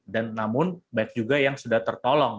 dan namun banyak juga yang sudah tertolong